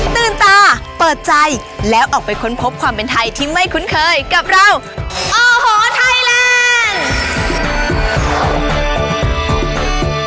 ตื่นตาเปิดใจแล้วออกไปค้นพบความเป็นไทยที่ไม่คุ้นเคยกับเราโอ้โหไทยแลนด์